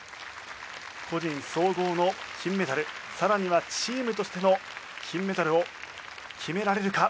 個人総合の金メダルさらにはチームとしての金メダルを決められるか？